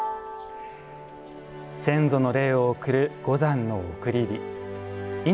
先祖の霊を送る「五山の送り火」